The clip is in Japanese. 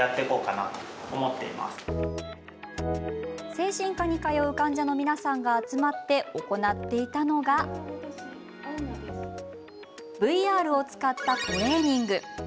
精神科に通う患者の皆さんが集まって行っていたのがＶＲを使ったトレーニング。